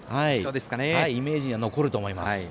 イメージに残ると思います。